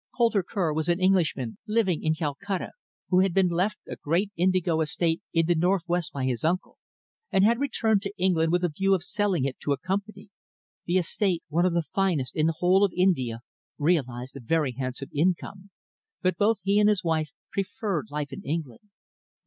Coulter Kerr was an Englishman living in Calcutta, who had been left a great indigo estate in the North West by his uncle, and had returned to England with a view of selling it to a company. The estate, one of the finest in the whole of India, realised a very handsome income, but both he and his wife preferred life in England.